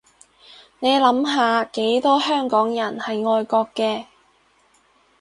你諗下幾多香港人係愛國嘅